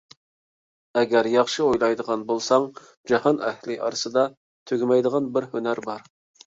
ئەگەر ياخشى ئويلايدىغان بولساڭ، جاھان ئەھلى ئارىسىدا تۈگىمەيدىغان بىر ھۈنەر بار.